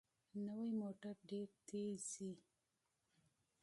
نوې موټر ډېره تېزه ځي